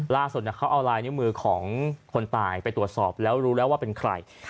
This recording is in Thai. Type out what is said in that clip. ล่าสุดเขาเอาลายนิ้วมือของคนตายไปตรวจสอบแล้วรู้แล้วว่าเป็นใคร